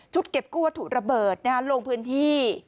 ชุดเก็บกลัวถูระเบิดลงพื้นที่